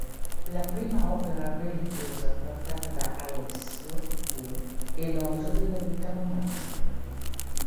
La prima opera religiosa trattata da Alessio fu "elogio della vita monastica".